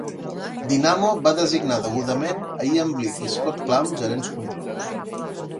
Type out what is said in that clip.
Dynamo va designar degudament a Ian Blyth i Scott Clamp gerents conjunts.